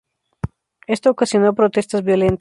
Esto ocasionó protestas violentas.